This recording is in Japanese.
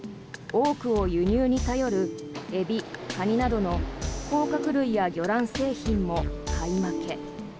多くを輸入に頼るエビ、カニなどの甲殻類や魚卵製品も買い負け。